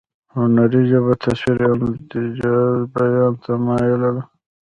هنري ژبه تصویري او مجازي بیان ته مایله ده